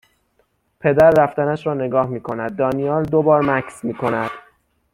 پدر رفتنش را نگاه میکند دانیال دو بار مکث میکند